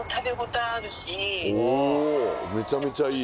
おおめちゃめちゃいい☎